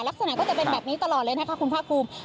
ลักษณะก็จะเป็นแบบนี้ตลอดเลยนะคะคุณภาคภูมิ